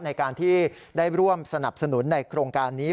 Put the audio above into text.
ในการที่ได้ร่วมสนับสนุนในโครงการนี้